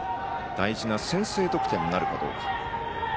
大事な先制得点なるかどうか。